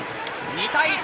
２対１。